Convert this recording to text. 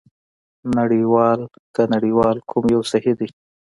نړۍوال که نړیوال کوم یو صحي دی؟